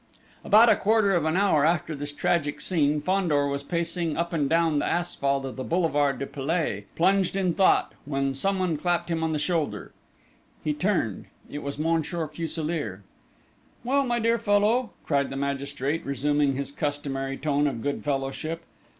About a quarter of an hour after this tragic scene, Fandor was pacing up and down the asphalt of the boulevard du Palais, plunged in thought, when someone clapped him on the shoulder. He turned. It was Monsieur Fuselier. "Well, my dear fellow!" cried the magistrate, resuming his customary tone of good fellowship.